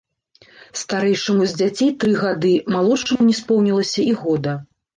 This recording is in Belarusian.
Старэйшаму з дзяцей тры гады, малодшаму не споўнілася і года.